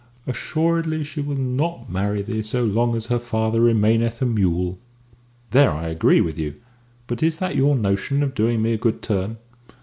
"Assuredly she will not marry thee so long as her father remaineth a mule." "There I agree with you. But is that your notion of doing me a good turn?"